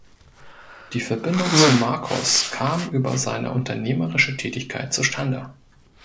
Die Verbindung zu Marcos kam über seine unternehmerische Tätigkeit zustande.